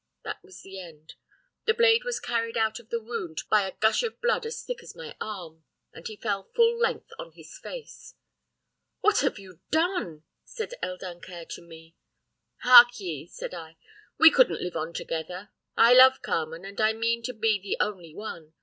That was the end. The blade was carried out of the wound by a gush of blood as thick as my arm, and he fell full length on his face. "'What have you done?' said El Dancaire to me. "'Hark ye,' said I, 'we couldn't live on together. I love Carmen and I mean to be the only one.